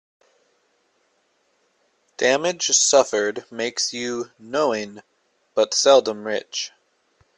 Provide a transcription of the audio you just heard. Damage suffered makes you knowing, but seldom rich.